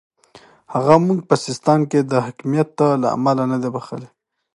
هغه موږ په سیستان کې د حکمیت له امله نه دی بخښلی.